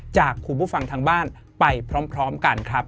จากคุณผู้ฟังทางบ้านไปพร้อมกันครับ